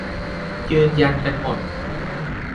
ยืนยันกันหมด